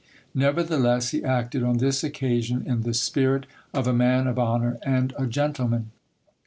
Nevertheless he acted on this occasion in the spirit of a man of honour and a gentleman.